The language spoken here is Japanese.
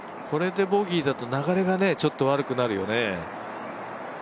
これでボギーだと流れがちょっと悪くなるよね。